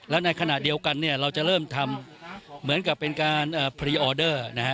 แล้วในขณะเดียวกันเนี่ยเราจะเริ่มทำเหมือนกับเป็นการพรีออเดอร์นะฮะ